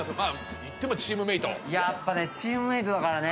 やっぱねチームメートだからね。